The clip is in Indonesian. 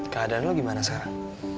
keadaan lo gimana sekarang